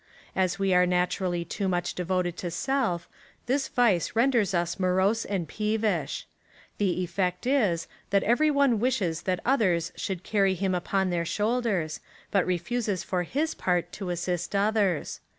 As we are naturally too much devoted to self, this vice renders us morose and peevish. The effect is, that every one wishes that others should carry him upon their shoulders, but refuses for his part to assist others.